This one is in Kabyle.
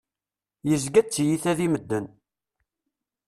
Yezga d tiyita di medden.